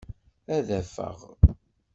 Ad adfeɣ.